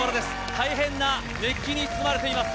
大変な熱気に包まれています。